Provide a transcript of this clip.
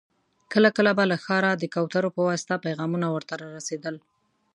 کله کله به له ښاره د کوترو په واسطه پيغامونه ور ته را رسېدل.